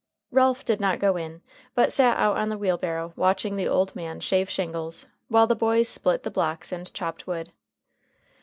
Ralph did not go in, but sat out on the wheelbarrow, watching the old man shave shingles, while the boys split the blocks and chopped wood.